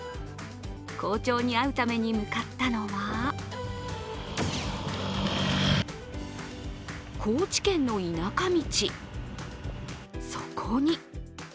校長に会うために向かったのは高知県の田舎道。